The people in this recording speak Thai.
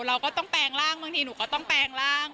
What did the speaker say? เราก็ต้องแปลงร่างบางทีหนูก็ต้องแปลงร่าง